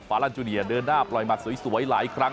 ลันจูเนียเดินหน้าปล่อยหมัดสวยหลายครั้ง